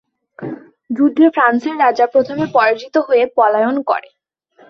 যুদ্ধে ফ্রান্সের রাজা প্রথমে পরাজিত হয়ে পলায়ন করে।